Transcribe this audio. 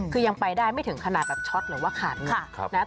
คือยังไปได้ไม่ถึงขนาดแบบช็อตหรือว่าขันนะครับ